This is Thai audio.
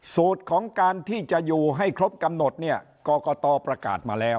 สูตรของการที่จะอยู่ให้ครบกำหนดเนี่ยกรกตประกาศมาแล้ว